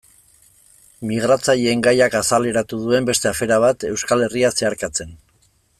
Migratzaileen gaiak azaleratu duen beste afera bat, Euskal Herria zeharkatzen.